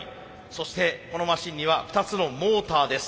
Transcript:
そしてこのマシンには２つのモーターです。